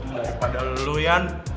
daripada lo ya